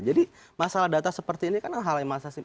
jadi masalah data seperti ini kan hal yang masih